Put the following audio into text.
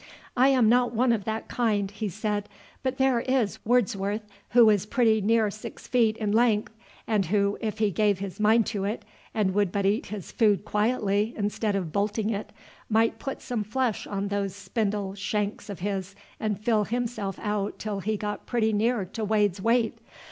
"I am not one of that kind," he said; "but there is Wordsworth, who is pretty near six feet in length, and who, if he gave his mind to it and would but eat his food quietly instead of bolting it, might put some flesh on those spindle shanks of his and fill himself out till he got pretty near to Wade's weight.